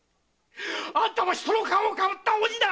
あんたは人の皮をかぶった鬼だ‼